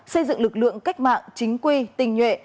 xây dựng lực lượng cách mạng chính quy tình nhuệ